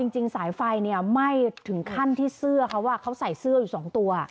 จริงสายไฟเตอร์ไซค์เนี่ยไหม้ถึงขั้นที่เสื้อเขาใส่เสื้ออยู่สองตัว